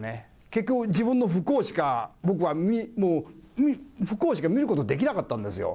結局、自分の不幸しか、僕はもう、不幸しか見ることできなかったんですよ。